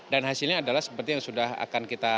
dan hasilnya adalah seperti yang sudah akan kita